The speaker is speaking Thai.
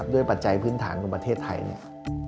ด้วยปัจจัยพื้นฐานรุ่นประเทศไทย